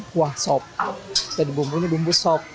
kuah sop jadi bumbunya bumbu sop